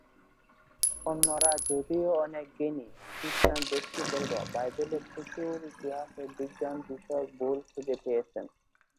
অন্যরা যদিও অনেক জ্ঞানী খ্রিস্টান ব্যক্তিবর্গ বাইবেলে প্রচুর ইতিহাস ও বিজ্ঞান বিষয়ক ভুল খুঁজে পেয়েছেন।